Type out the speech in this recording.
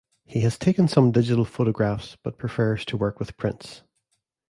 He has taken some digital photographs but prefers to work with prints.